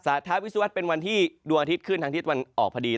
ท้าวิศวรรษเป็นวันที่ดวงอาทิตย์ขึ้นทางทิศตะวันออกพอดี